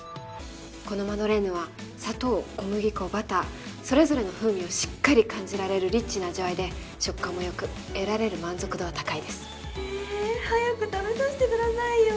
このマドレーヌは砂糖小麦粉バターそれぞれの風味をしっかり感じられるリッチな味わいで食感も良く得られる満足度は高いですえ早く食べさせてくださいよ